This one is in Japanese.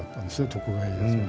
徳川家康は。